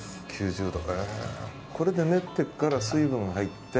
これで練っていくから水分が入って。